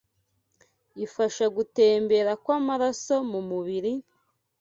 ifasha gutembera kw’amaraso mu mubiri,